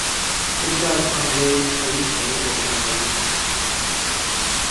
Richard Andree a lipcsei egyetemen tanult.